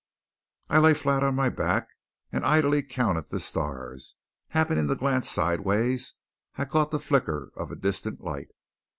I lay flat on my back, and idly counted the stars. Happening to glance sidewise, I caught the flicker of a distant light.